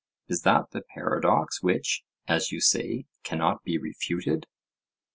Is that the paradox which, as you say, cannot be refuted?